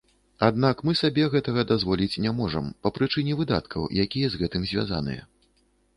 Аднак мы сабе гэтага дазволіць не можам па прычыне выдаткаў, якія з гэтым звязаныя.